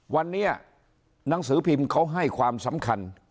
วันนี้หนังสือพิมพ์เขาให้ความสำคัญ